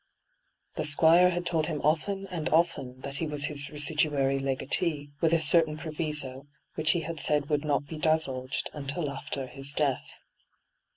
The Squire had told him often and oflen that he was his residuary legatee, with a certain proviso, which he had said would not be divulged until after his death.